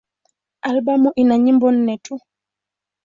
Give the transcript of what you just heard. Albamu ina nyimbo nne tu.